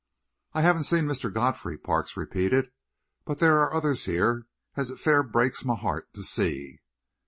"I haven't seen Mr. Godfrey," Parks repeated, "but there's others here as it fair breaks my heart to see."